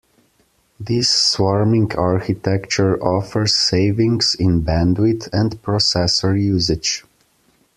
This swarming architecture offers savings in bandwidth and processor usage.